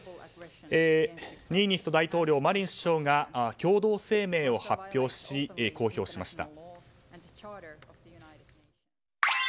ニーニースト大統領マリン首相が共同声明を発表し公表しました。